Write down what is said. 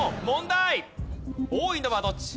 多いのはどっち？